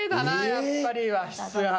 やっぱり和室は。